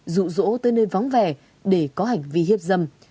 rụ rỗ tới nơi vắng vẻ để có hành vi hiếp dâm